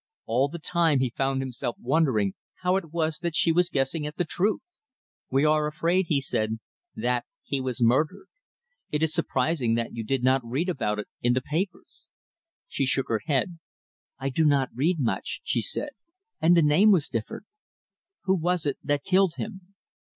All the time he found himself wondering how it was that she was guessing at the truth. "We are afraid," he said "that he was murdered. It is surprising that you did not read about it in the papers." She shook her head. "I do not read much," she said, "and the name was different. Who was it that killed him?"